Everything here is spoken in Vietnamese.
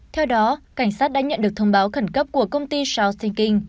theo đó cảnh sát đã nhận được thông báo khẩn cấp của công ty south thinking